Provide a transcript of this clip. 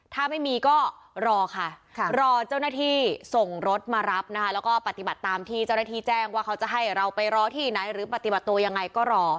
ถ้าไม่มีก็รอค่ะรอเจ้าหน้าที่ส่งรถมารับนะคะแล้วก็ปฏิบัติตามที่เจ้าหน้าที่แจ้งว่าเขาจะให้เราไปรอที่ไหนหรือปฏิบัติตัวยังไงก็รอ